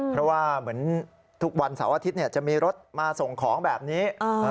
เพราะว่าเหมือนทุกวันเสาร์อาทิตย์จะมีรถมาส่งของแบบนี้